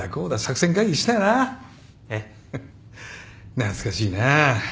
懐かしいな。